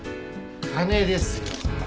金ですよ。